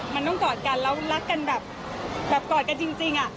มันต้องกอดกันแล้วรักกันแบบกอดกันจริง